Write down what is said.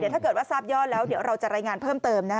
ถ้าเกิดว่าทราบยอดแล้วเดี๋ยวเราจะรายงานเพิ่มเติม